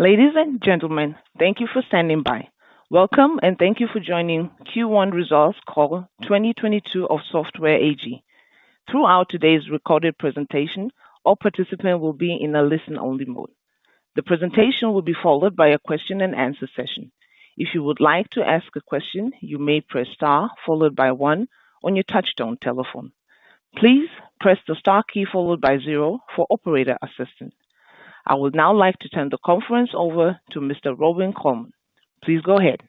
Ladies and gentlemen, thank you for standing by. Welcome and thank you for joining Q1 Results Call 2022 of Software AG. Throughout today's recorded presentation, all participants will be in a listen-only mode. The presentation will be followed by a question-and-answer session. If you would like to ask a question, you may press star followed by one on your touch-tone telephone. Please press the star key followed by zero for operator assistance. I would now like to turn the conference over to Mr. Robin Colman. Please go ahead.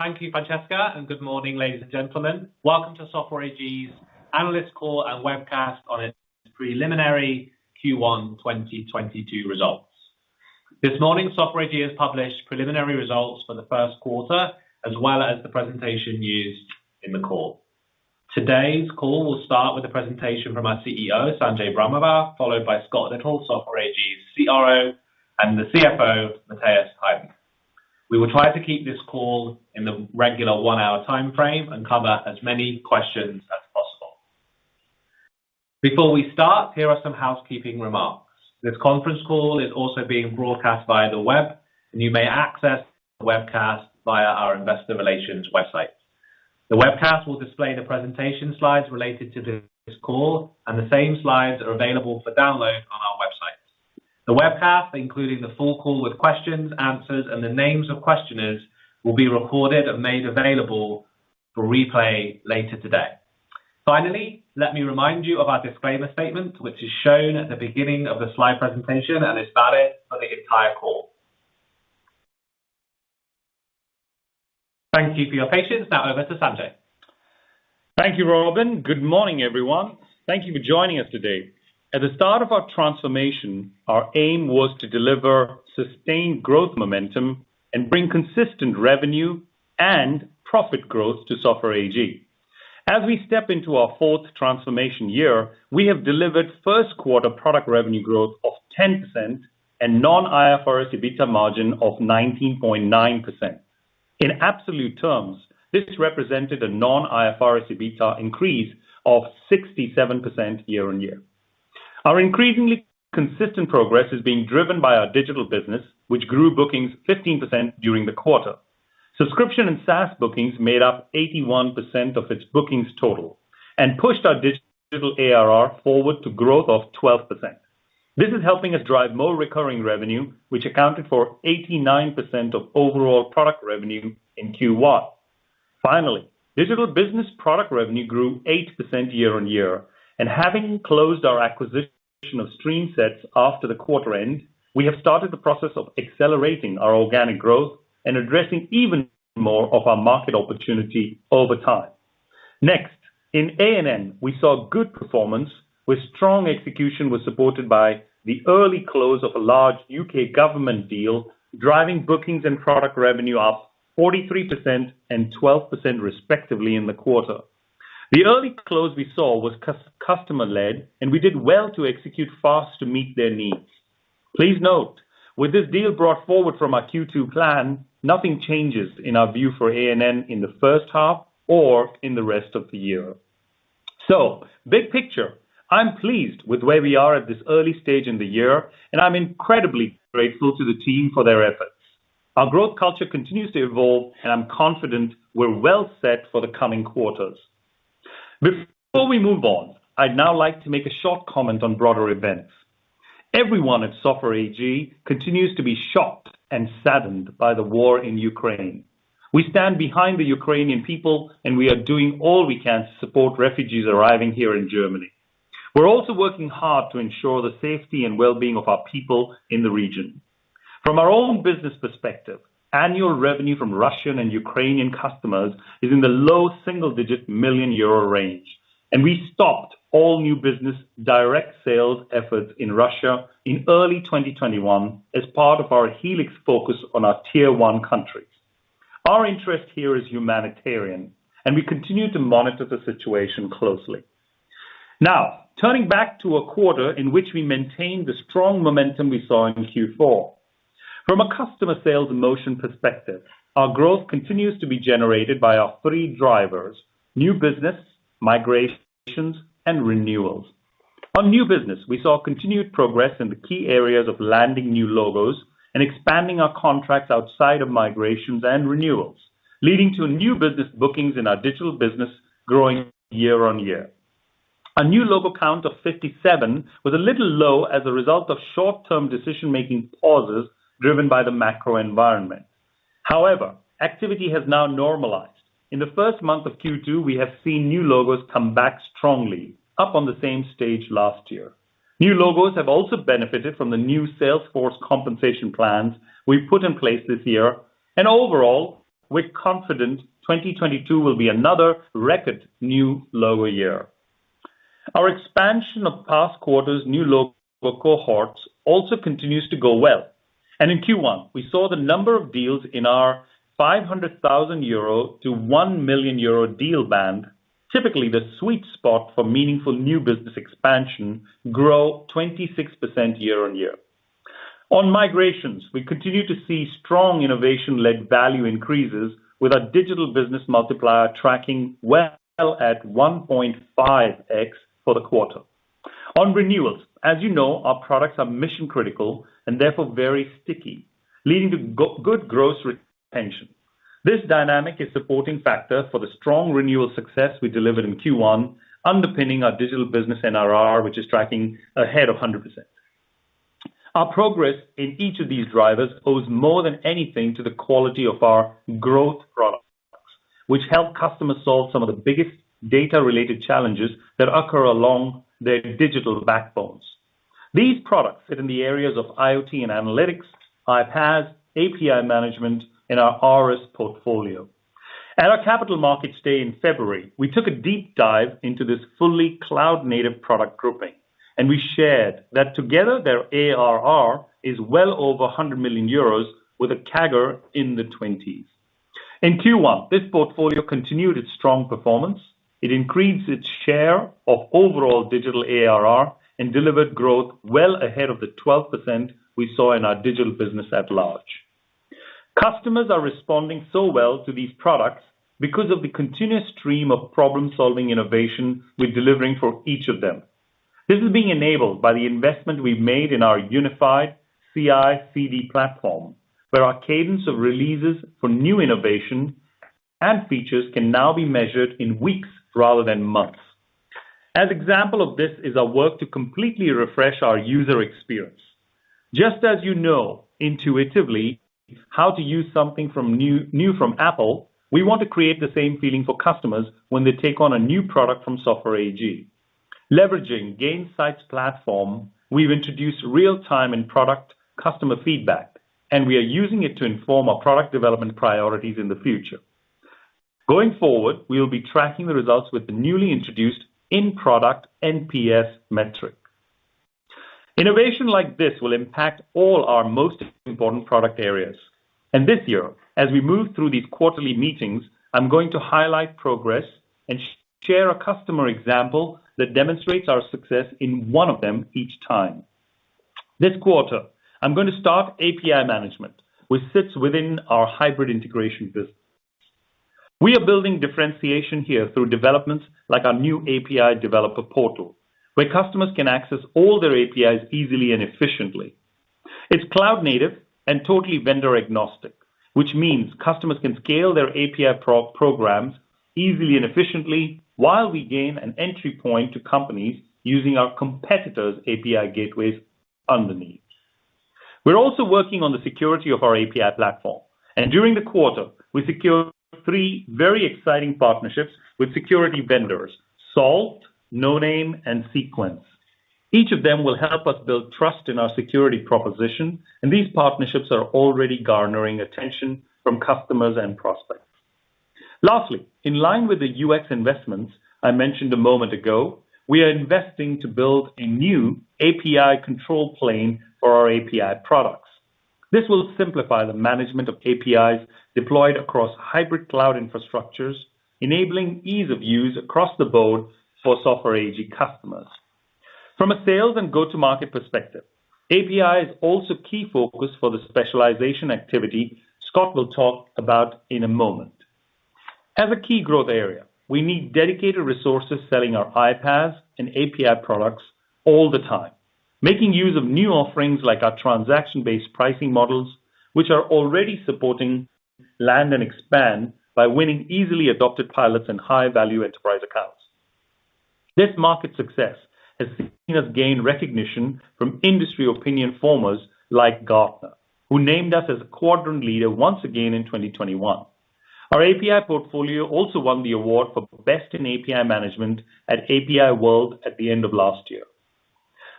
Thank you, Francesca, and good morning, ladies and gentlemen. Welcome to Software AG's analyst call and webcast on its preliminary Q1 2022 results. This morning, Software AG has published preliminary results for the first quarter, as well as the presentation used in the call. Today's call will start with a presentation from our CEO, Sanjay Brahmawar, followed by Scott Little, Software AG's CRO, and the CFO, Matthias Heiden. We will try to keep this call in the regular one-hour timeframe and cover as many questions as possible. Before we start, here are some housekeeping remarks. This conference call is also being broadcast via the web, and you may access the webcast via our investor relations website. The webcast will display the presentation slides related to this call, and the same slides are available for download on our website. The webcast, including the full call with questions, answers, and the names of questioners, will be recorded and made available for replay later today. Finally, let me remind you of our disclaimer statement, which is shown at the beginning of the slide presentation and is valid for the entire call. Thank you for your patience. Now over to Sanjay. Thank you, Robin. Good morning, everyone. Thank you for joining us today. At the start of our transformation, our aim was to deliver sustained growth momentum and bring consistent revenue and profit growth to Software AG. As we step into our fourth transformation year, we have delivered first quarter product revenue growth of 10% and non-IFRS EBITDA margin of 19.9%. In absolute terms, this represented a non-IFRS EBITDA increase of 67% year-on-year. Our increasingly consistent progress is being driven by our digital business, which grew bookings 15% during the quarter. Subscription and SaaS bookings made up 81% of its bookings total and pushed our digital ARR forward to growth of 12%. This is helping us drive more recurring revenue, which accounted for 89% of overall product revenue in Q1. Finally, digital business product revenue grew 8% year-on-year, and having closed our acquisition of StreamSets after the quarter end, we have started the process of accelerating our organic growth and addressing even more of our market opportunity over time. Next, in A&N, we saw good performance where strong execution was supported by the early close of a large U.K. government deal, driving bookings and product revenue up 43% and 12%, respectively, in the quarter. The early close we saw was customer led, and we did well to execute fast to meet their needs. Please note, with this deal brought forward from our Q2 plan, nothing changes in our view for A&N in the first half or in the rest of the year. Big picture, I'm pleased with where we are at this early stage in the year, and I'm incredibly grateful to the team for their efforts. Our growth culture continues to evolve, and I'm confident we're well set for the coming quarters. Before we move on, I'd now like to make a short comment on broader events. Everyone at Software AG continues to be shocked and saddened by the war in Ukraine. We stand behind the Ukrainian people, and we are doing all we can to support refugees arriving here in Germany. We're also working hard to ensure the safety and well-being of our people in the region. From our own business perspective, annual revenue from Russian and Ukrainian customers is in the low single-digit million Euro range, and we stopped all new business direct sales efforts in Russia in early 2021 as part of our Helix focus on our Tier 1 countries. Our interest here is humanitarian, and we continue to monitor the situation closely. Now, turning back to a quarter in which we maintained the strong momentum we saw in Q4. From a customer sales motion perspective, our growth continues to be generated by our three drivers: new business, migrations, and renewals. On new business, we saw continued progress in the key areas of landing new logos and expanding our contracts outside of migrations and renewals, leading to new business bookings in our digital business growing year-on-year. A new logo count of 57 was a little low as a result of short-term decision-making pauses driven by the macro environment. However, activity has now normalized. In the first month of Q2, we have seen new logos come back strongly, up on the same stage last year. New logos have also benefited from the new sales force compensation plans we put in place this year. Overall, we're confident 2022 will be another record new logo year. Our expansion of past quarters' new logo cohorts also continues to go well. In Q1, we saw the number of deals in our 500,000-1 million euro deal band, typically the sweet spot for meaningful new business expansion, grow 26% year-on-year. On migrations, we continue to see strong innovation-led value increases with our digital business multiplier tracking well at 1.5x for the quarter. On renewals. As you know, our products are mission-critical and therefore very sticky, leading to good growth retention. This dynamic is supporting factor for the strong renewal success we delivered in Q1, underpinning our digital business NRR, which is tracking ahead of 100%. Our progress in each of these drivers owes more than anything to the quality of our growth products, which help customers solve some of the biggest data-related challenges that occur along their digital backbones. These products fit in the areas of IoT and analytics, iPaaS, API management, and our ARIS portfolio. At our capital market stay in February, we took a deep dive into this fully cloud-native product grouping, and we shared that together their ARR is well over 100 million euros with a CAGR in the 20s%. In Q1, this portfolio continued its strong performance. It increased its share of overall digital ARR and delivered growth well ahead of the 12% we saw in our digital business at large. Customers are responding so well to these products because of the continuous stream of problem-solving innovation we're delivering for each of them. This is being enabled by the investment we've made in our unified CI/CD platform, where our cadence of releases for new innovation and features can now be measured in weeks rather than months. An example of this is our work to completely refresh our user experience. Just as you know intuitively how to use something from new, new from Apple, we want to create the same feeling for customers when they take on a new product from Software AG. Leveraging Gainsight's platform, we've introduced real-time in-product customer feedback, and we are using it to inform our product development priorities in the future. Going forward, we will be tracking the results with the newly introduced in-product NPS metric. Innovation like this will impact all our most important product areas. This year, as we move through these quarterly meetings, I'm going to highlight progress and share a customer example that demonstrates our success in one of them each time. This quarter, I'm gonna start API management, which sits within our hybrid integration business. We are building differentiation here through developments like our new API developer portal, where customers can access all their APIs easily and efficiently. It's cloud native and totally vendor agnostic, which means customers can scale their API programs easily and efficiently while we gain an entry point to companies using our competitors' API gateways underneath. We're also working on the security of our API platform, and during the quarter, we secured three very exciting partnerships with security vendors, Salt, Noname, and Cequence. Each of them will help us build trust in our security proposition, and these partnerships are already garnering attention from customers and prospects. Lastly, in line with the UX investments I mentioned a moment ago, we are investing to build a new API control plane for our API products. This will simplify the management of APIs deployed across hybrid cloud infrastructures, enabling ease of use across the board for Software AG customers. From a sales and go-to-market perspective, API is also key focus for the specialization activity Scott will talk about in a moment. As a key growth area, we need dedicated resources selling our IPaaS and API products all the time, making use of new offerings like our transaction-based pricing models, which are already supporting land and expand by winning easily adopted pilots and high-value enterprise accounts. This market success has seen us gain recognition from industry opinion formers like Gartner, who named us as a quadrant leader once again in 2021. Our API portfolio also won the award for Best in API Management at API World at the end of last year.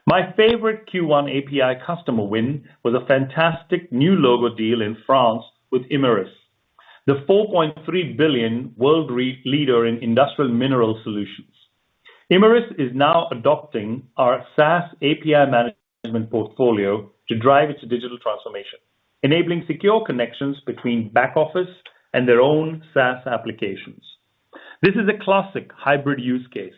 My favorite Q1 API customer win was a fantastic new logo deal in France with Imerys, the 4.3 billion world leader in industrial mineral solutions. Imerys is now adopting our SaaS API management portfolio to drive its digital transformation, enabling secure connections between back-office and their own SaaS applications. This is a classic hybrid use case,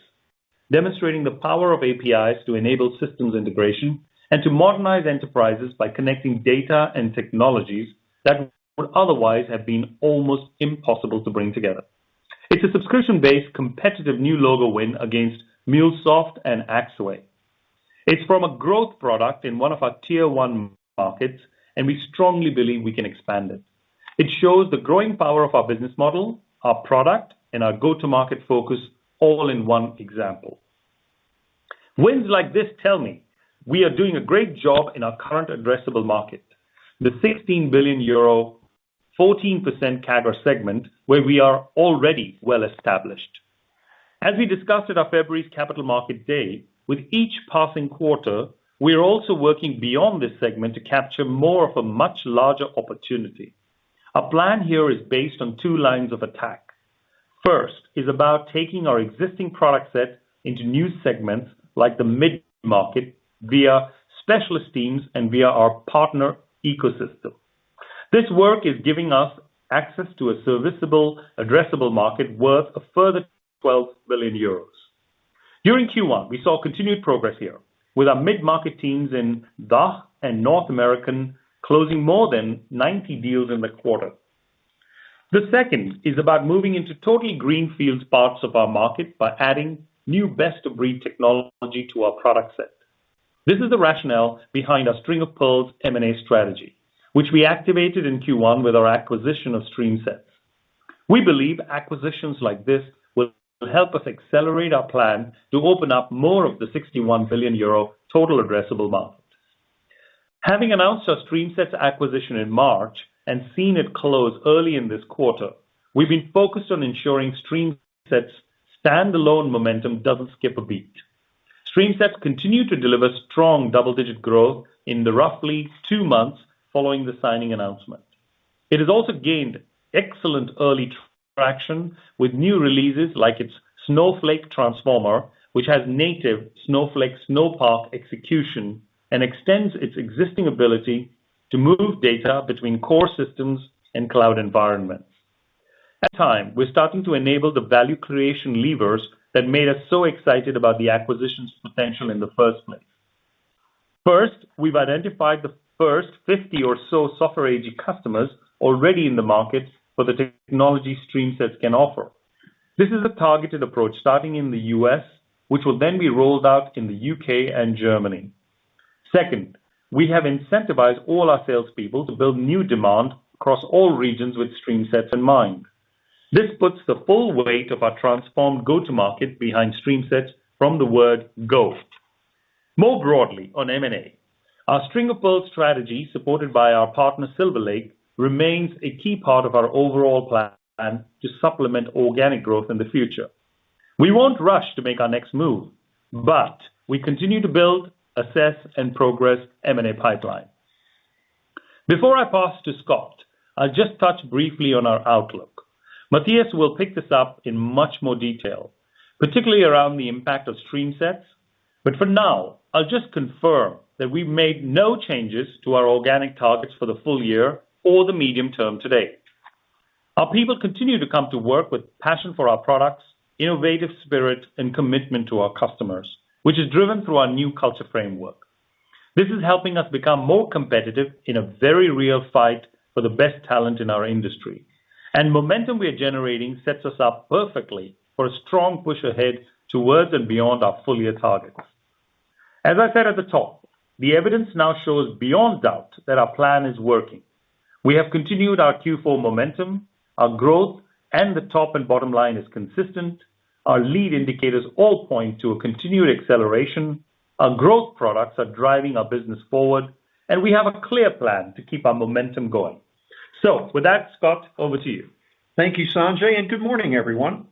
demonstrating the power of APIs to enable systems integration and to modernize enterprises by connecting data and technologies that would otherwise have been almost impossible to bring together. It's a subscription-based competitive new logo win against MuleSoft and Axway. It's from a growth product in one of our tier one markets, and we strongly believe we can expand it. It shows the growing power of our business model, our product, and our go-to-market focus all in one example. Wins like this tell me we are doing a great job in our current addressable market, the 16 billion euro, 14% CAGR segment, where we are already well established. As we discussed at our February's capital market day, with each passing quarter, we are also working beyond this segment to capture more of a much larger opportunity. Our plan here is based on two lines of attack. First is about taking our existing product set into new segments like the mid-market via specialist teams and via our partner ecosystem. This work is giving us access to a serviceable addressable market worth a further 12 billion euros. During Q1, we saw continued progress here with our mid-market teams in DACH and North America closing more than 90 deals in the quarter. The second is about moving into totally greenfield parts of our market by adding new best-of-breed technology to our product set. This is the rationale behind our string of pearls M&A strategy, which we activated in Q1 with our acquisition of StreamSets. We believe acquisitions like this will help us accelerate our plan to open up more of the 61 billion euro total addressable market. Having announced our StreamSets acquisition in March and seen it close early in this quarter, we've been focused on ensuring StreamSets standalone momentum doesn't skip a beat. StreamSets continues to deliver strong double-digit growth in the roughly two months following the signing announcement. It has also gained excellent early traction with new releases like its Snowflake Transformer, which has native Snowflake Snowpark execution and extends its existing ability to move data between core systems and cloud environments. At this time, we're starting to enable the value creation levers that made us so excited about the acquisition's potential in the first place. First, we've identified the first 50 or so Software AG customers already in the market for the technology StreamSets can offer. This is a targeted approach starting in the U.S., which will then be rolled out in the U.K. and Germany. Second, we have incentivized all our salespeople to build new demand across all regions with StreamSets in mind. This puts the full weight of our transformed go-to-market behind StreamSets from the word go. More broadly on M&A, our string of pearls strategy, supported by our partner Silver Lake, remains a key part of our overall plan to supplement organic growth in the future. We won't rush to make our next move, but we continue to build, assess, and progress M&A pipeline. Before I pass to Scott, I'll just touch briefly on our outlook. Matthias will pick this up in much more detail, particularly around the impact of StreamSets. For now, I'll just confirm that we've made no changes to our organic targets for the full year or the medium term today. Our people continue to come to work with passion for our products, innovative spirit, and commitment to our customers, which is driven through our new culture framework. This is helping us become more competitive in a very real fight for the best talent in our industry. Momentum we are generating sets us up perfectly for a strong push ahead towards and beyond our full year targets. As I said at the top, the evidence now shows beyond doubt that our plan is working. We have continued our Q4 momentum, our growth and the top and bottom line is consistent. Our lead indicators all point to a continued acceleration. Our growth products are driving our business forward, and we have a clear plan to keep our momentum going. With that, Scott, over to you. Thank you, Sanjay, and good morning, everyone.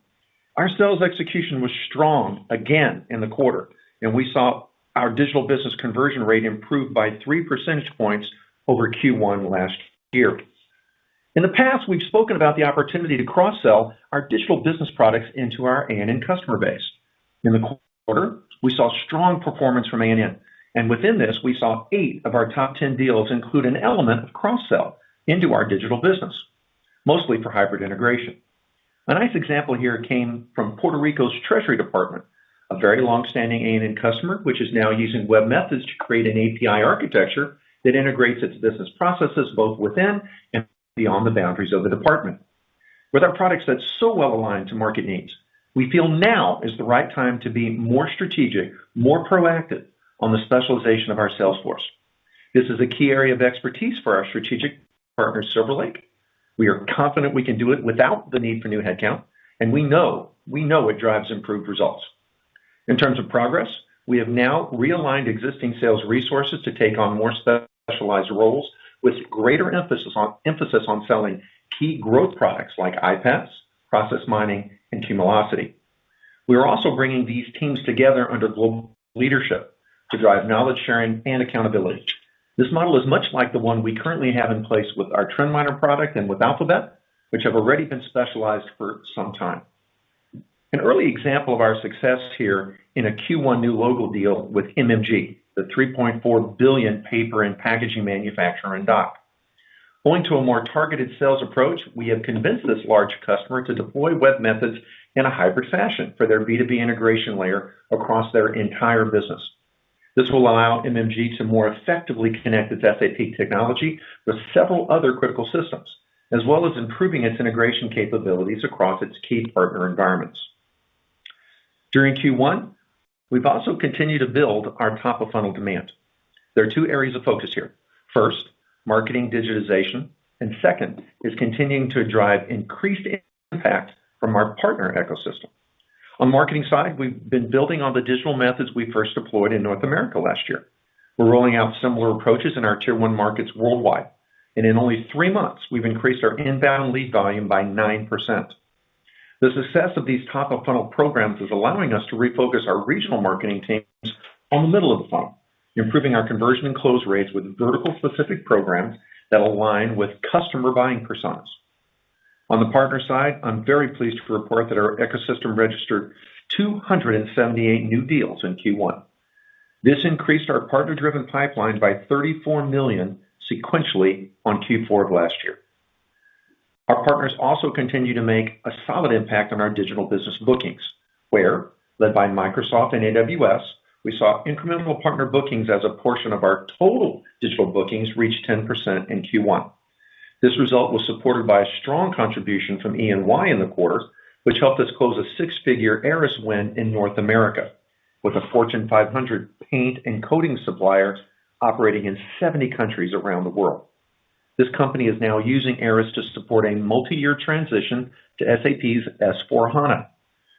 Our sales execution was strong again in the quarter, and we saw our digital business conversion rate improve by 3 percentage points over Q1 last year. In the past, we've spoken about the opportunity to cross-sell our digital business products into our A&N customer base. In the quarter, we saw strong performance from A&N, and within this, we saw eight of our top 10 deals include an element of cross-sell into our digital business, mostly for hybrid integration. A nice example here came from Puerto Rico Department of Treasury, a very long-standing A&N customer, which is now using webMethods to create an API architecture that integrates its business processes both within and beyond the boundaries of the department. With our products that's so well aligned to market needs, we feel now is the right time to be more strategic, more proactive on the specialization of our sales force. This is a key area of expertise for our strategic partner, Silver Lake. We are confident we can do it without the need for new headcount, and we know it drives improved results. In terms of progress, we have now realigned existing sales resources to take on more specialized roles with greater emphasis on selling key growth products like iPaaS, process mining, and Cumulocity. We are also bringing these teams together under global leadership to drive knowledge sharing and accountability. This model is much like the one we currently have in place with our TrendMiner product and with Alfabet, which have already been specialized for some time. An early example of our success here in a Q1 new logo deal with MMG, the 3.4 Billion paper and packaging manufacturer in DACH. Owing to a more targeted sales approach, we have convinced this large customer to deploy webMethods in a hybrid fashion for their B2B integration layer across their entire business. This will allow MMG to more effectively connect its SAP technology with several other critical systems, as well as improving its integration capabilities across its key partner environments. During Q1, we've also continued to build our top-of-funnel demand. There are two areas of focus here. First, marketing digitization, and second is continuing to drive increased impact from our partner ecosystem. On marketing side, we've been building on the digital methods we first deployed in North America last year. We're rolling out similar approaches in our Tier 1 markets worldwide. In only three months, we've increased our inbound lead volume by 9%. The success of these top-of-funnel programs is allowing us to refocus our regional marketing teams on the middle of the funnel, improving our conversion and close rates with vertical specific programs that align with customer buying personas. On the partner side, I'm very pleased to report that our ecosystem registered 278 new deals in Q1. This increased our partner-driven pipeline by 34 million sequentially on Q4 of last year. Our partners also continue to make a solid impact on our digital business bookings, where led by Microsoft and AWS, we saw incremental partner bookings as a portion of our total digital bookings reached 10% in Q1. This result was supported by a strong contribution from EY in the quarter, which helped us close a six-figure ARIS win in North America with a Fortune 500 paint and coating supplier operating in 70 countries around the world. This company is now using ARIS to support a multi-year transition to SAP's S/4HANA,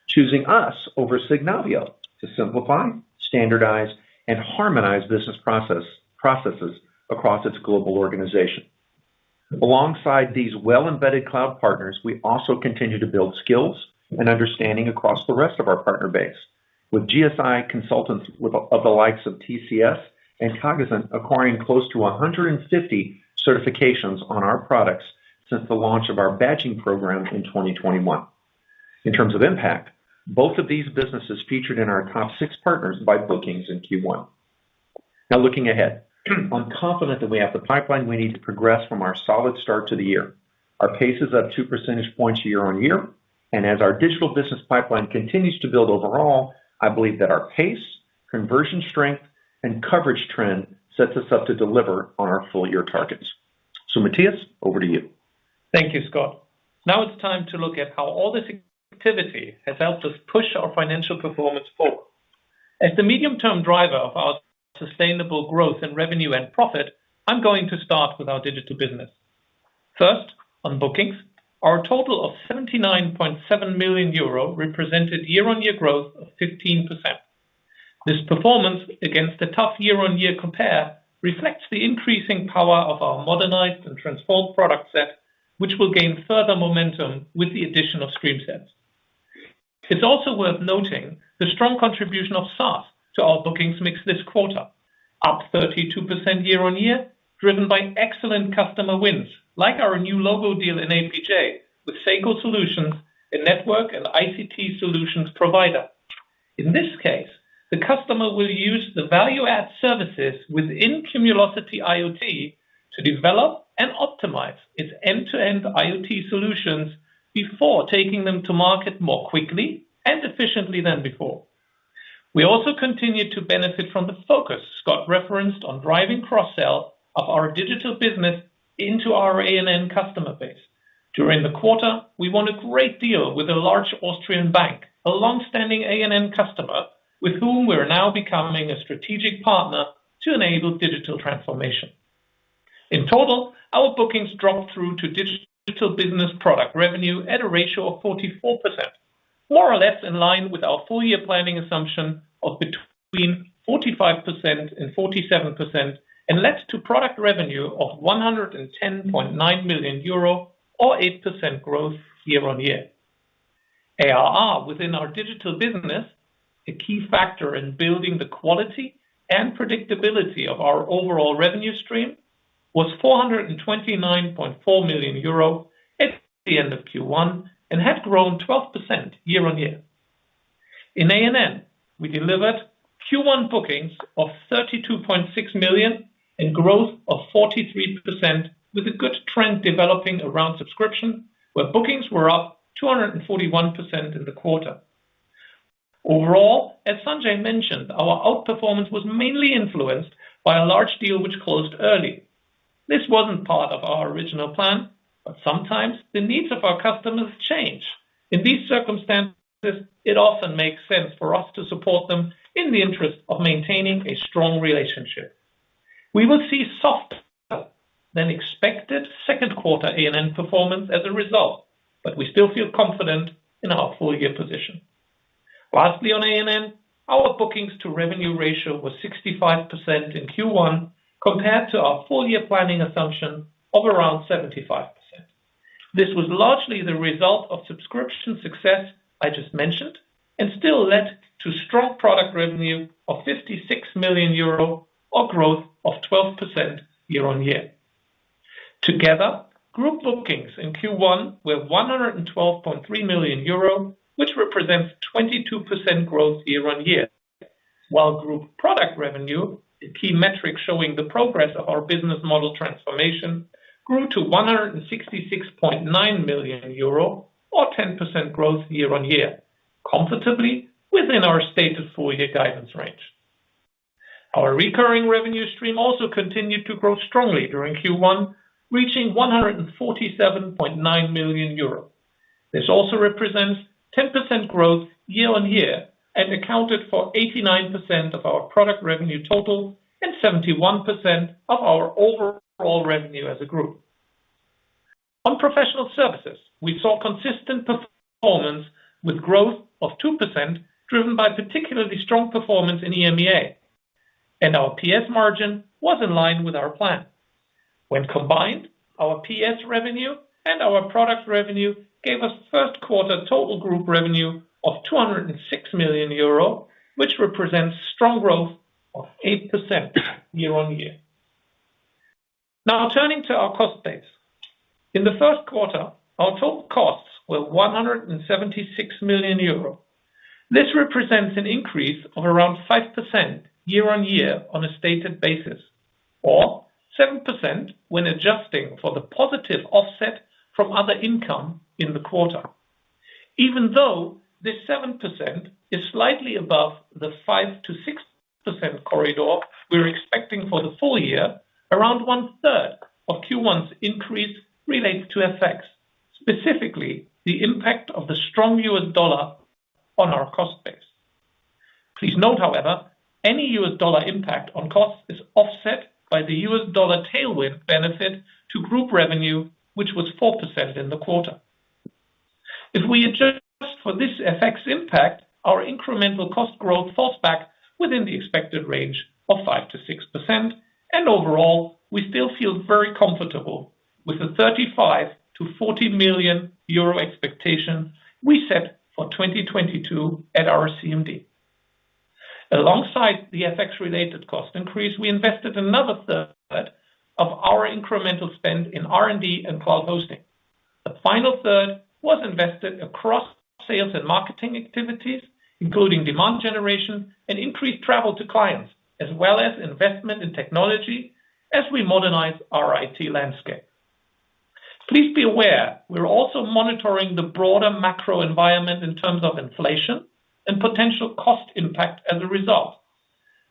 choosing us over Signavio to simplify, standardize, and harmonize business processes across its global organization. Alongside these well-embedded cloud partners, we also continue to build skills and understanding across the rest of our partner base, with GSI consultants of the likes of TCS and Cognizant acquiring close to 150 certifications on our products since the launch of our badging program in 2021. In terms of impact, both of these businesses featured in our top six partners by bookings in Q1. Now, looking ahead, I'm confident that we have the pipeline we need to progress from our solid start to the year. Our pace is up 2 percentage points year-on-year, and as our digital business pipeline continues to build overall, I believe that our pace, conversion strength, and coverage trend sets us up to deliver on our full-year targets. Matthias, over to you. Thank you, Scott. Now it's time to look at how all this activity has helped us push our financial performance forward. As the medium-term driver of our sustainable growth in revenue and profit, I'm going to start with our digital business. First, on bookings, our total of 79.7 million euro represented year-on-year growth of 15%. This performance against a tough year-on-year compare reflects the increasing power of our modernized and transformed product set, which will gain further momentum with the addition of StreamSets. It's also worth noting the strong contribution of SaaS to our bookings mix this quarter, up 32% year-on-year, driven by excellent customer wins, like our new logo deal in APJ with Seiko Solutions, a network and ICT solutions provider. In this case, the customer will use the value-add services within Cumulocity IoT to develop and optimize its end-to-end IoT solutions before taking them to market more quickly and efficiently than before. We also continue to benefit from the focus Scott referenced on driving cross-sell of our digital business into our A&N customer base. During the quarter, we won a great deal with a large Austrian bank, a long-standing A&N customer with whom we're now becoming a strategic partner to enable digital transformation. In total, our bookings dropped through to digital business product revenue at a ratio of 44%, more or less in line with our full-year planning assumption of between 45% and 47%, and led to product revenue of 110.9 million euro or 8% growth year-on-year. ARR within our digital business, a key factor in building the quality and predictability of our overall revenue stream, was 429.4 million euro at the end of Q1 and had grown 12% year-on-year. In A&N, we delivered Q1 bookings of 32.6 million and growth of 43% with a good trend developing around subscription, where bookings were up 241% in the quarter. Overall, as Sanjay mentioned, our outperformance was mainly influenced by a large deal which closed early. This wasn't part of our original plan, but sometimes the needs of our customers change. In these circumstances, it often makes sense for us to support them in the interest of maintaining a strong relationship. We will see softer than expected second quarter A&N performance as a result, but we still feel confident in our full-year position. Lastly, on A&N, our bookings to revenue ratio was 65% in Q1 compared to our full-year planning assumption of around 75%. This was largely the result of subscription success I just mentioned and still led to strong product revenue of 56 million euro or growth of 12% year-on-year. Together, group bookings in Q1 were 112.3 million euro, which represents 22% growth year-on-year. While group product revenue, a key metric showing the progress of our business model transformation, grew to 166.9 million euro or 10% growth year-on-year, comfortably within our stated full-year guidance range. Our recurring revenue stream also continued to grow strongly during Q1, reaching 147.9 million euros. This also represents 10% growth year-on-year and accounted for 89% of our product revenue total and 71% of our overall revenue as a group. On professional services, we saw consistent performance with growth of 2% driven by particularly strong performance in EMEA. Our PS margin was in line with our plan. When combined, our PS revenue and our product revenue gave us first quarter total group revenue of 206 million euro, which represents strong growth of 8% year-on-year. Now turning to our cost base. In the first quarter, our total costs were 176 million euro. This represents an increase of around 5% year-on-year on a stated basis or 7% when adjusting for the positive offset from other income in the quarter. Even though this 7% is slightly above the 5%-6% corridor we're expecting for the full year, around 1/3 of Q1's increase relates to FX effects, specifically the impact of the strong U.S. dollar on our cost base. Please note, however, any U.S. dollar impact on costs is offset by the U.S. dollar tailwind benefit to group revenue, which was 4% in the quarter. If we adjust for this FX impact, our incremental cost growth falls back within the expected range of 5%-6%. Overall, we still feel very comfortable with the 35 million-40 million euro expectation we set for 2022 at our CMD. Alongside the FX related cost increase, we invested another third of our incremental spend in R&D and cloud hosting. The final third was invested across sales and marketing activities, including demand generation and increased travel to clients, as well as investment in technology as we modernize our IT landscape. Please be aware, we're also monitoring the broader macro environment in terms of inflation and potential cost impact as a result.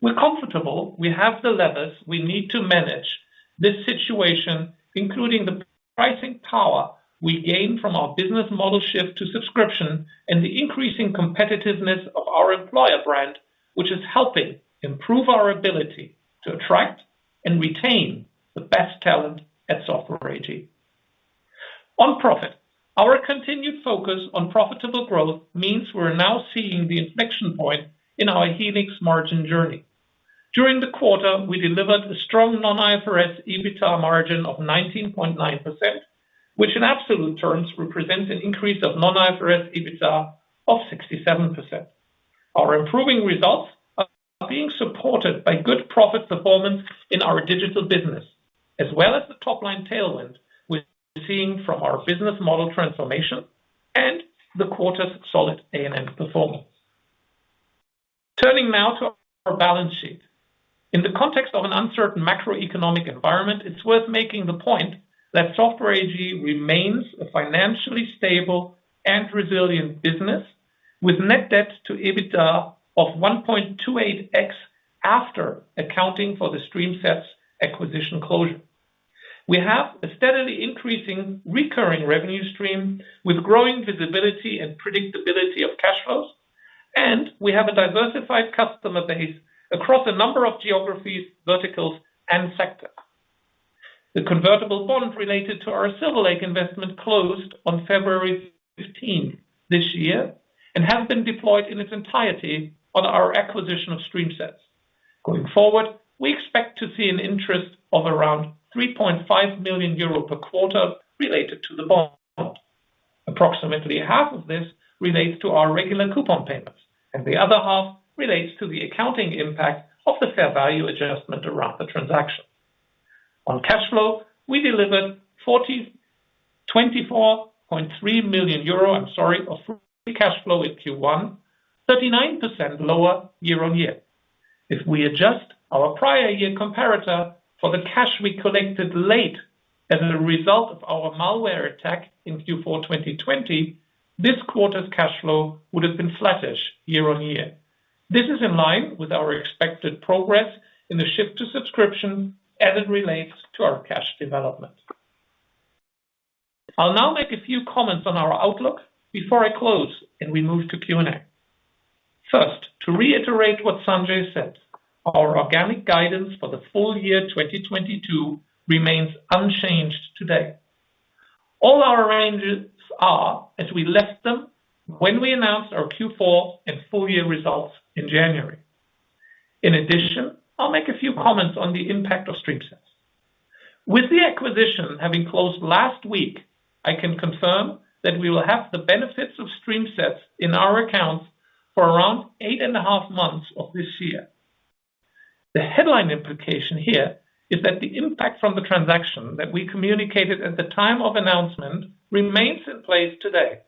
We're comfortable we have the levers we need to manage this situation, including the pricing power we gain from our business model shift to subscription and the increasing competitiveness of our employer brand, which is helping improve our ability to attract and retain the best talent at Software AG. On profit, our continued focus on profitable growth means we're now seeing the inflection point in our Helix margin journey. During the quarter, we delivered a strong non-IFRS EBITDA margin of 19.9%, which in absolute terms represents an increase of non-IFRS EBITDA of 67%. Our improving results are being supported by good profit performance in our digital business, as well as the top-line tailwind we're seeing from our business model transformation and the quarter's solid A&N performance. Turning now to our balance sheet. In the context of an uncertain macroeconomic environment, it's worth making the point that Software AG remains a financially stable and resilient business with net debt to EBITDA of 1.28x after accounting for the StreamSets acquisition closure. We have a steadily increasing recurring revenue stream with growing visibility and predictability of cash flows, and we have a diversified customer base across a number of geographies, verticals, and sectors. The convertible bonds related to our Silver Lake investment closed on February 15th this year and have been deployed in its entirety on our acquisition of StreamSets. Going forward, we expect to see an interest of around 3.5 million euro per quarter related to the bond. Approximately half of this relates to our regular coupon payments, and the other half relates to the accounting impact of the fair value adjustment around the transaction. On cash flow, we delivered 24.3 million euro, I'm sorry, of free cash flow in Q1, 39% lower year-on-year. If we adjust our prior year comparator for the cash we collected late as a result of our malware attack in Q4 2020, this quarter's cash flow would have been flattish year-on-year. This is in line with our expected progress in the shift to subscription as it relates to our cash development. I'll now make a few comments on our outlook before I close and we move to Q&A. First, to reiterate what Sanjay said, our organic guidance for the full year 2022 remains unchanged today. All our arrangements are as we left them when we announced our Q4 and full year results in January. In addition, I'll make a few comments on the impact of StreamSets. With the acquisition having closed last week, I can confirm that we will have the benefits of StreamSets in our accounts for around 8.5 months of this year. The headline implication here is that the impact from the transaction that we communicated at the time of announcement remains in place today.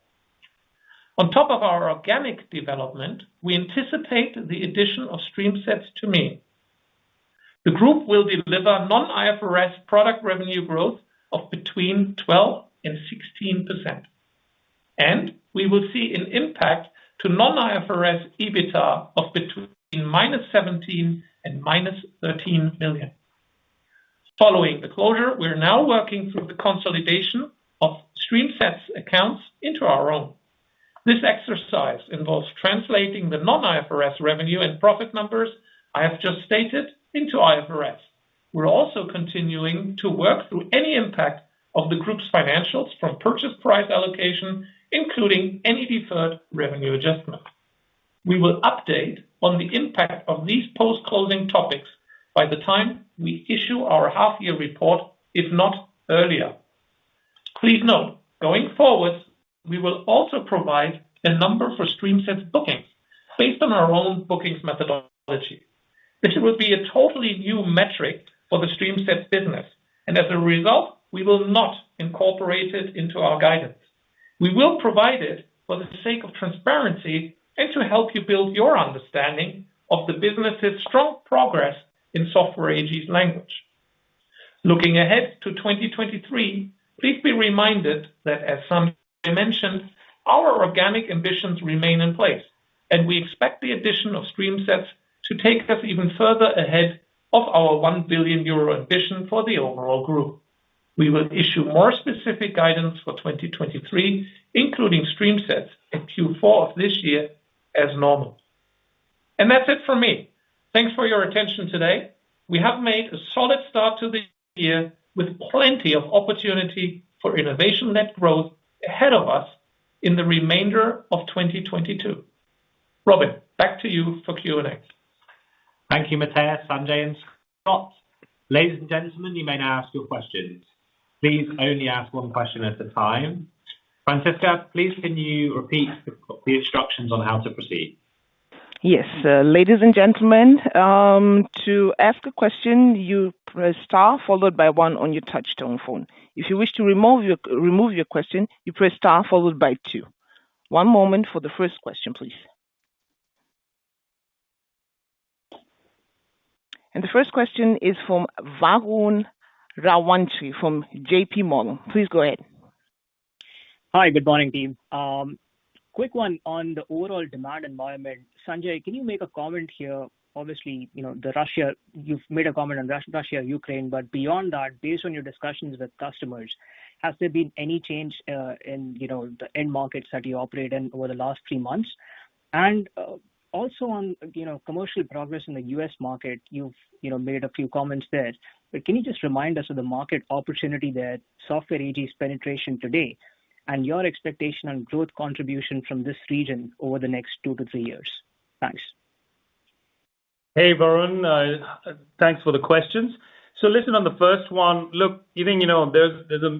On top of our organic development, we anticipate the addition of StreamSets to mean the group will deliver non-IFRS product revenue growth of between 12% and 16%, and we will see an impact to non-IFRS EBITDA of between -17 million and -13 million. Following the closure, we're now working through the consolidation of StreamSets accounts into our own. This exercise involves translating the non-IFRS revenue and profit numbers I have just stated into IFRS. We're also continuing to work through any impact of the group's financials from purchase price allocation, including any deferred revenue adjustment. We will update on the impact of these post-closing topics by the time we issue our half year report, if not earlier. Please note, going forward, we will also provide a number for StreamSets bookings based on our own bookings methodology. This will be a totally new metric for the StreamSets business, and as a result, we will not incorporate it into our guidance. We will provide it for the sake of transparency and to help you build your understanding of the business's strong progress in Software AG's language. Looking ahead to 2023, please be reminded that as Sanjay mentioned, our organic ambitions remain in place, and we expect the addition of StreamSets to take us even further ahead of our 1 billion euro ambition for the overall group. We will issue more specific guidance for 2023, including StreamSets in Q4 of this year as normal. That's it for me. Thanks for your attention today. We have made a solid start to the year with plenty of opportunity for innovation and net growth ahead of us in the remainder of 2022. Robin, back to you for Q&A. Thank you, Matthias, Sanjay, and Scott. Ladies and gentlemen, you may now ask your questions. Please only ask one question at a time. Francesca, please can you repeat the instructions on how to proceed? Yes. Ladies and gentlemen, to ask a question, you press star followed by one on your touch-tone phone. If you wish to remove your question, you press star followed by two. One moment for the first question, please. The first question is from Varun Rajwanshi from JPMorgan. Please go ahead. Hi, good morning, team. Quick one on the overall demand environment. Sanjay, can you make a comment here? Obviously, you know, the Russia. You've made a comment on Russia, Ukraine, but beyond that, based on your discussions with customers, has there been any change in, you know, the end markets that you operate in over the last three months? Also on, you know, commercial progress in the U.S. market, you've, you know, made a few comments there. But can you just remind us of the market opportunity there, Software AG's penetration today, and your expectation on growth contribution from this region over the next two to three years? Thanks. Hey, Varun. Thanks for the questions. Listen, on the first one, look, even, you know, there are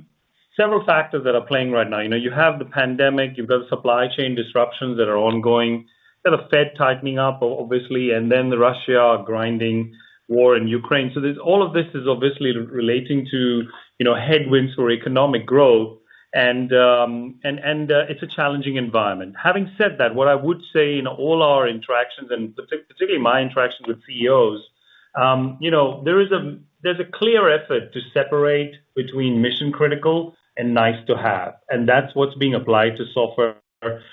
several factors that are at play right now. You know, you have the pandemic, you've got supply chain disruptions that are ongoing. You have the Fed tightening up, obviously, and then the Russia grinding war in Ukraine. All of this is obviously relating to, you know, headwinds for economic growth, and it's a challenging environment. Having said that, what I would say in all our interactions, and particularly my interactions with CEOs, you know, there is a clear effort to separate between mission-critical and nice to have, and that's what's being applied to software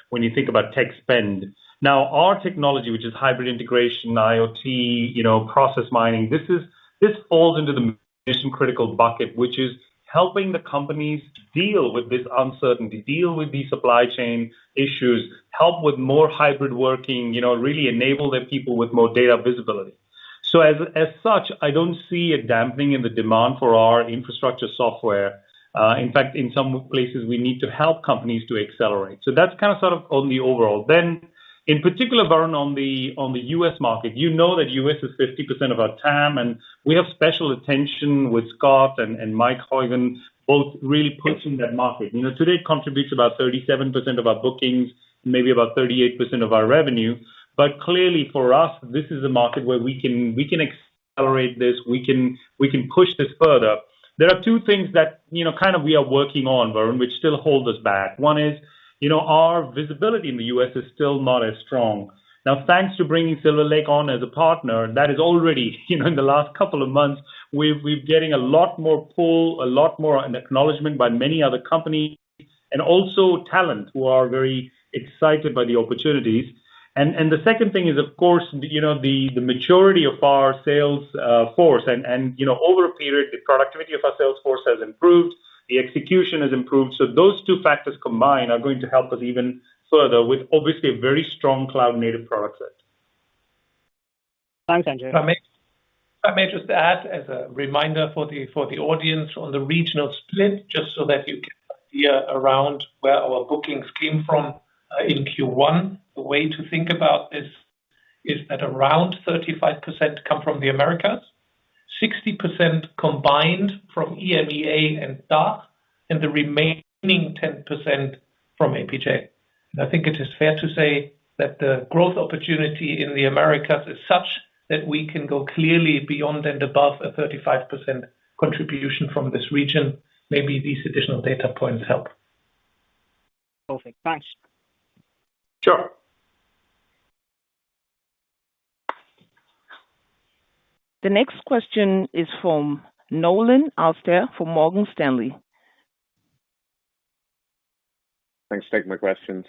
when you think about tech spend. Now, our technology, which is hybrid integration, IoT, you know, process mining, this falls into the mission-critical bucket, which is helping the companies deal with this uncertainty, deal with these supply chain issues, help with more hybrid working, you know, really enable their people with more data visibility. As such, I don't see a dampening in the demand for our infrastructure software. In fact, in some places, we need to help companies to accelerate. That's kind of sort of on the overall. In particular, Varun, on the U.S. market, you know that U.S. is 50% of our TAM, and we have special attention with Scott and Mike Schiman both really pushing that market. You know, today it contributes about 37% of our bookings, maybe about 38% of our revenue. Clearly for us, this is a market where we can accelerate this, we can push this further. There are two things that, you know, kind of we are working on, Varun, which still hold us back. One is, you know, our visibility in the U.S. is still not as strong. Now, thanks to bringing Silver Lake on as a partner, that is already, you know, in the last couple of months, we've getting a lot more pull, a lot more acknowledgment by many other companies and also talent who are very excited by the opportunities. The second thing is, of course, you know, the maturity of our sales force. Over a period, the productivity of our sales force has improved, the execution has improved. Those two factors combined are going to help us even further with obviously a very strong cloud-native product set. Thanks, Sanjay. If I may just add as a reminder for the audience on the regional split, just so that you get an idea around where our bookings came from, in Q1. The way to think about this is that around 35% come from the Americas, 60% combined from EMEA and DACH, and the remaining 10% from APJ. I think it is fair to say that the growth opportunity in the Americas is such that we can go clearly beyond and above a 35% contribution from this region. Maybe these additional data points help. Perfect. Thanks. Sure. The next question is from Nolan Alastair from Morgan Stanley. Thanks for taking my questions.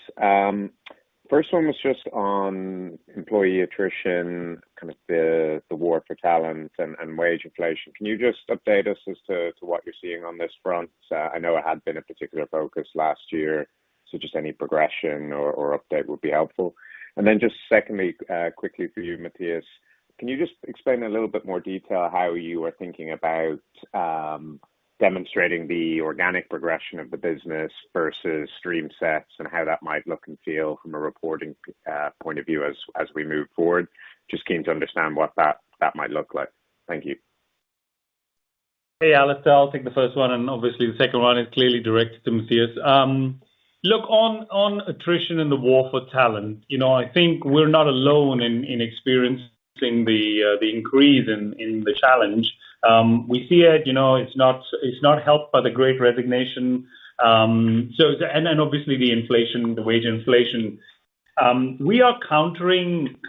First one was just on employee attrition, kind of the war for talent and wage inflation. Can you just update us as to what you're seeing on this front? I know it had been a particular focus last year, so just any progression or update would be helpful. Then just secondly, quickly for you, Matthias, can you just explain a little bit more detail how you are thinking about demonstrating the organic progression of the business versus StreamSets and how that might look and feel from a reporting point of view as we move forward? Just keen to understand what that might look like. Thank you. Hey, Alastair. I'll take the first one, and obviously the second one is clearly directed to Matthias. Look on attrition in the war for talent, you know. I think we're not alone in experiencing the increase in the challenge. We see it, you know. It's not helped by the great resignation. And then obviously the inflation, the wage inflation. We are countering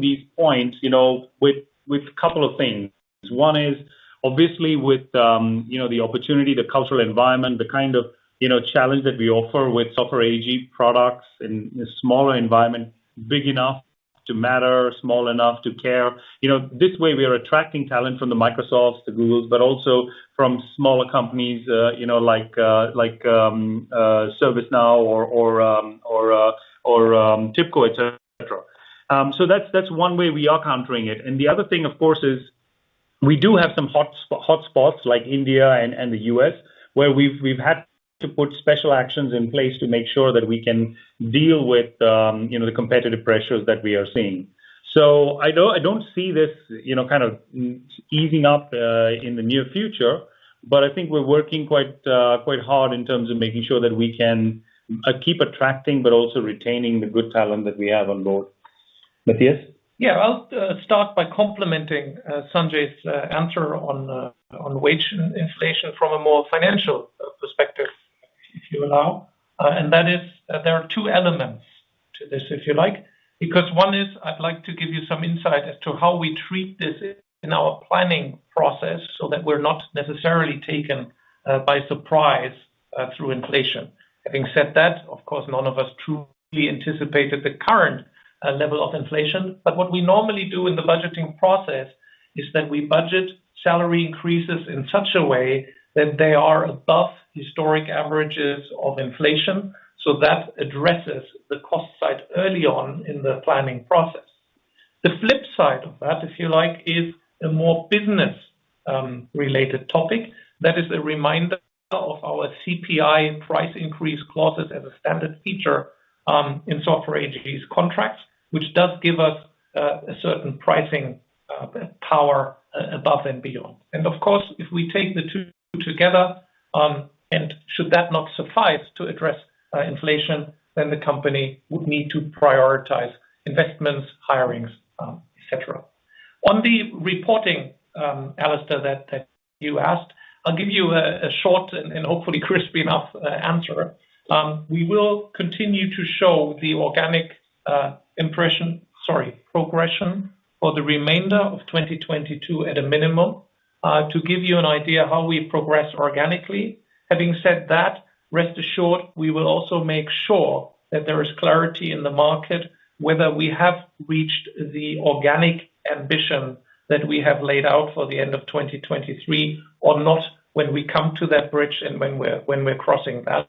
these points, you know, with a couple of things. One is obviously with the opportunity, the cultural environment, the kind of challenge that we offer with Software AG products in a smaller environment, big enough to matter, small enough to care. You know, this way we are attracting talent from the Microsofts, the Googles, but also from smaller companies, you know, like ServiceNow or TIBCO, et cetera. That's one way we are countering it. The other thing, of course, is we do have some hot spots like India and the U.S., where we've had to put special actions in place to make sure that we can deal with, you know, the competitive pressures that we are seeing. I don't see this, you know, kind of easing up in the near future, but I think we're working quite hard in terms of making sure that we can keep attracting but also retaining the good talent that we have on board. Matthias? Yeah. I'll start by complimenting Sanjay's answer on wage inflation from a more financial perspective, if you allow. That is, there are two elements to this, if you like. One is I'd like to give you some insight as to how we treat this in our planning process so that we're not necessarily taken by surprise through inflation. Having said that, of course, none of us truly anticipated the current level of inflation. What we normally do in the budgeting process is that we budget salary increases in such a way that they are above historic averages of inflation. That addresses the cost side early on in the planning process. The flip side of that, if you like, is a more business related topic that is a reminder of our CPI price increase clauses as a standard feature in Software AG's contracts, which does give us a certain pricing power above and beyond. Of course, if we take the two together, and should that not suffice to address inflation, then the company would need to prioritize investments, hirings, et cetera. On the reporting, Alastair, that you asked, I'll give you a short and hopefully crisp enough answer. We will continue to show the organic progression for the remainder of 2022 at a minimum to give you an idea how we progress organically. Having said that, rest assured, we will also make sure that there is clarity in the market, whether we have reached the organic ambition that we have laid out for the end of 2023 or not, when we come to that bridge and when we're crossing that.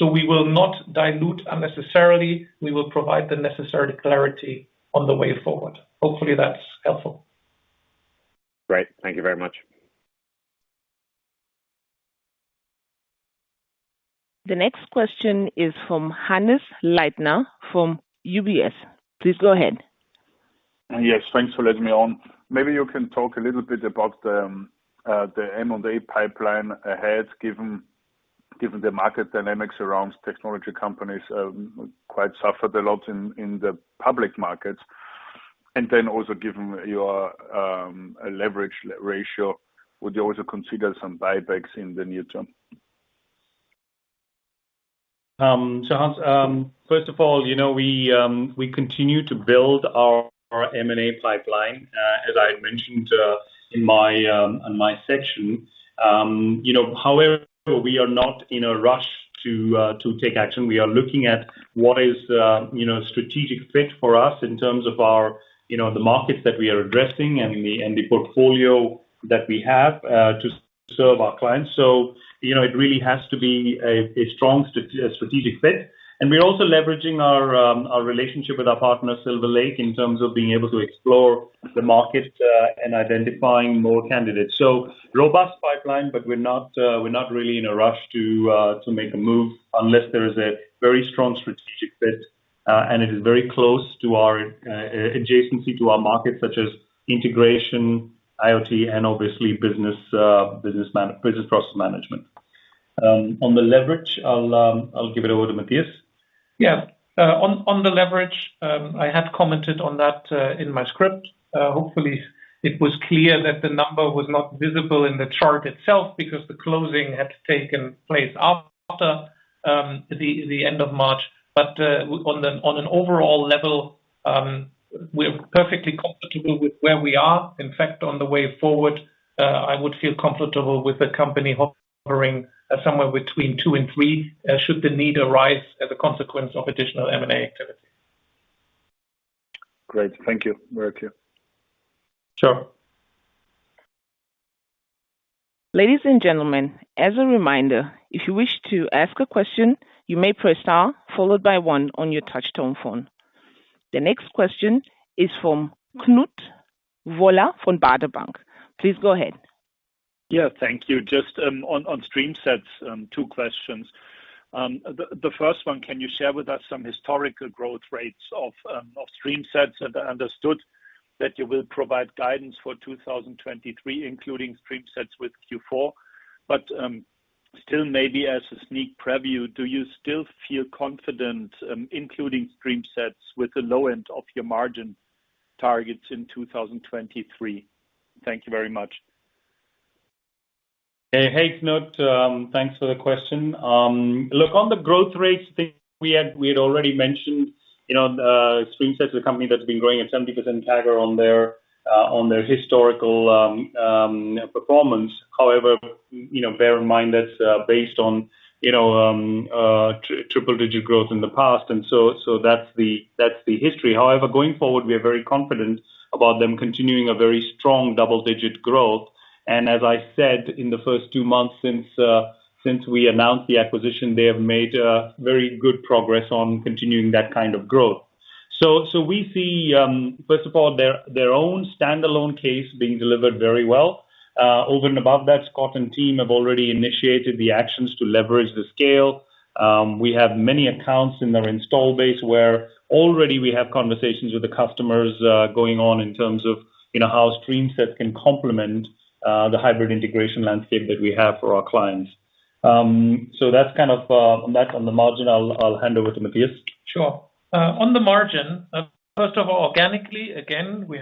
We will not dilute unnecessarily. We will provide the necessary clarity on the way forward. Hopefully, that's helpful. Great. Thank you very much. The next question is from Hannes Leitner from UBS. Please go ahead. Yes. Thanks for letting me on. Maybe you can talk a little bit about the M&A pipeline ahead, given the market dynamics around technology companies have suffered a lot in the public markets. Then also given your leverage ratio, would you also consider some buybacks in the near term? Hannes, first of all, you know, we continue to build our M&A pipeline, as I had mentioned, in my section. However, we are not in a rush to take action. We are looking at what is strategic fit for us in terms of our the markets that we are addressing and the portfolio that we have to serve our clients. You know, it really has to be a strong strategic fit. We're also leveraging our relationship with our partner, Silver Lake, in terms of being able to explore the market and identifying more candidates. Robust pipeline, but we're not really in a rush to make a move unless there is a very strong strategic fit, and it is very close to our adjacency to our markets such as integration, IoT, and obviously business process management. On the leverage, I'll give it over to Matthias. Yeah. On the leverage, I had commented on that in my script. Hopefully it was clear that the number was not visible in the chart itself because the closing had taken place after the end of March. On an overall level, we're perfectly comfortable with where we are. In fact, on the way forward, I would feel comfortable with the company offering somewhere between two and three, should the need arise as a consequence of additional M&A activity. Great. Thank you. Very clear. Sure. Ladies and gentlemen, as a reminder, if you wish to ask a question, you may press star followed by one on your touchtone phone. The next question is from Knut Woller from Baader Bank. Please go ahead. Yeah, thank you. Just on StreamSets, two questions. The first one, can you share with us some historical growth rates of StreamSets? I understood that you will provide guidance for 2023, including StreamSets with Q4. Still maybe as a sneak preview, do you still feel confident, including StreamSets with the low end of your margin targets in 2023? Thank you very much. Hey, Knut. Thanks for the question. Look on the growth rates thing we had already mentioned, you know, StreamSets is a company that's been growing at 70% CAGR on their historical performance. However, you know, bear in mind that's based on, you know, triple-digit growth in the past. So that's the history. However, going forward, we are very confident about them continuing a very strong double-digit growth. As I said in the first two months since we announced the acquisition, they have made very good progress on continuing that kind of growth. We see, first of all, their own standalone case being delivered very well. Over and above that, Scott and team have already initiated the actions to leverage the scale. We have many accounts in their install base where already we have conversations with the customers going on in terms of, you know, how StreamSets can complement the hybrid integration landscape that we have for our clients. That's kind of on that. On the margin, I'll hand over to Matthias. Sure. On the margin, first of all, organically, again, we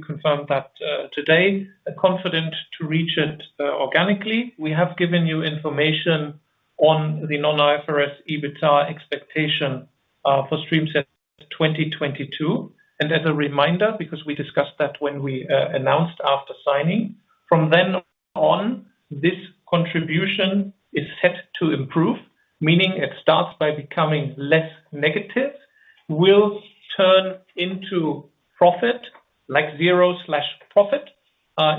confirmed that today. Confident to reach it organically. We have given you information on the non-IFRS EBITDA expectation for StreamSets 2022. As a reminder, because we discussed that when we announced after signing, from then on, this contribution is set to improve. Meaning it starts by becoming less negative, will turn into profit like zero/profit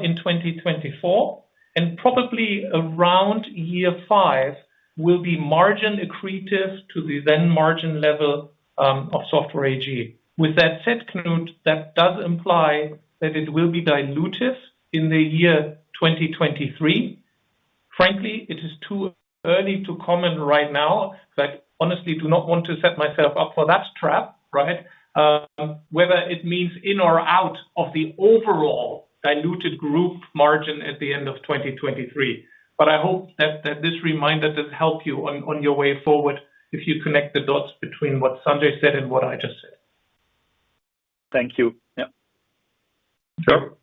in 2024, and probably around year five will be margin accretive to the then margin level of Software AG. With that said, Knut, that does imply that it will be dilutive in the year 2023. Frankly, it is too early to comment right now, but honestly do not want to set myself up for that trap, right? Whether it means in or out of the overall diluted group margin at the end of 2023. I hope that this reminder does help you on your way forward if you connect the dots between what Sanjay said and what I just said. Thank you. Yep. Sure.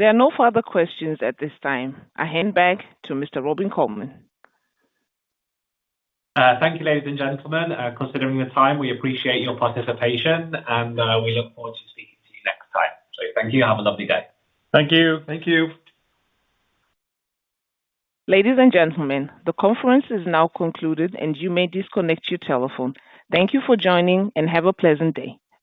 There are no further questions at this time. I hand back to Mr. Robin Colman. Thank you, ladies and gentlemen. Considering the time, we appreciate your participation and we look forward to speaking to you next time. Thank you. Have a lovely day. Thank you. Thank you. Ladies and gentlemen, the conference is now concluded, and you may disconnect your telephone. Thank you for joining, and have a pleasant day.